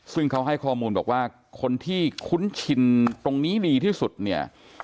ซึ่งเขาให้ข้อมูลบอกว่าคนที่คุ้นชินตรงนี้ดีที่สุดเนี่ย